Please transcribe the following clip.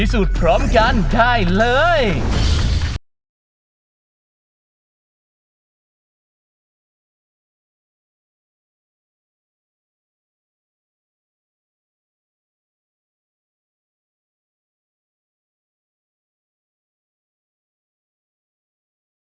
ถ้าพร้อมแล้วขอเชิญพบกับคุณลูกบาท